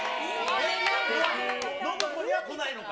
信子には来ないのか？